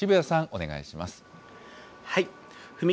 お願いします。